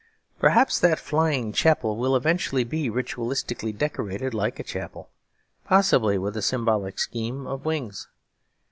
Perhaps that flying chapel will eventually be ritualistically decorated like a chapel; possibly with a symbolic scheme of wings.